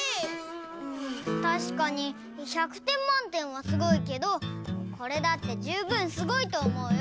たしかに１００てんまんてんはすごいけどこれだってじゅうぶんすごいとおもうよ。